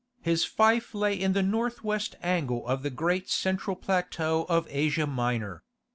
His fief lay in the north west angle of the great central plateau of Asia Minor.